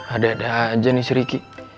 ada ada aja nih seriki